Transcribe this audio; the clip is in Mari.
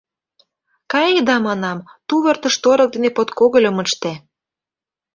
Кае да, манам, тувыртыш торык дене подкогыльым ыште.